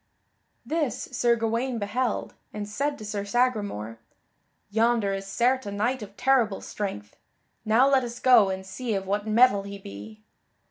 This Sir Gawaine beheld, and said to Sir Sagramore: "Yonder is certes a knight of terrible strength; now let us go and see of what mettle he be."